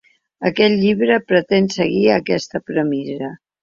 Aquest llibre pretén seguir aquesta premissa.